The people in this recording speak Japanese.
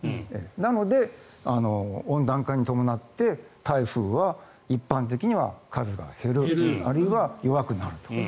なので、温暖化に伴って台風は一般的には数が減るあるいは弱くなると。